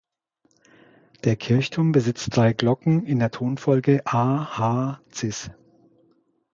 Der Kirchturm besitzt drei Glocken in der Tonfolge a-h-cis.